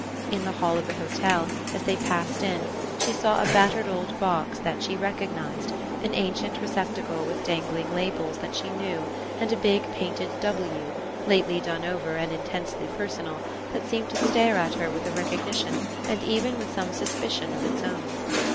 In the hall of the hotel as they passed in she saw a battered old box that she recognised, an ancient receptacle with dangling labels that she knew and a big painted W, lately done over and intensely personal, that seemed to stare at her with a recognition and even with some suspicion of its own.